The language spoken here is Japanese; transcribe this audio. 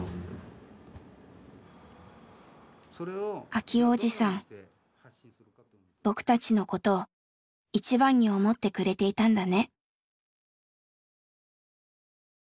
明男おじさん僕たちのことを一番に思ってくれていたんだね。